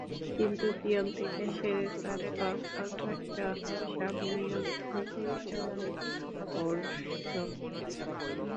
কিন্তু পিয়ন থেকে শুরু করে কর্মকর্তাসহ সবই নিয়োগ দিত পরিচালনা পর্ষদ।